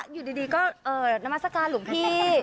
อยุดดีก็นมัสกาห์หลวงพี่